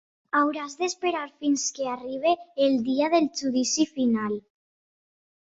Hauràs d'esperar fins que arribi el dia del Judici Final.